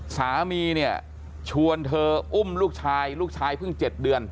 สามีเนี่ยชวนเธออุ้มลูกชายลูกชายเพิ่ง๗เดือน